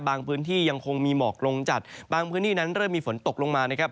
พื้นที่ยังคงมีหมอกลงจัดบางพื้นที่นั้นเริ่มมีฝนตกลงมานะครับ